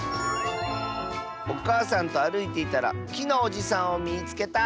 「おかあさんとあるいていたらきのおじさんをみつけた！」。